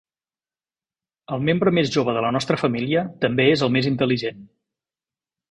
El membre més jove de la nostra família també és el més intel·ligent.